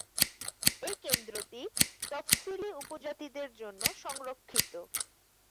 এই কেন্দ্রটি তফসিলি উপজাতিদের জন্য সংরক্ষিত।